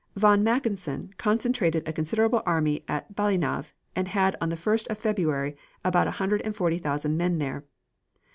Von Mackensen concentrated a considerable army at Balinov and had on the 1st of February about a hundred and forty thousand men there.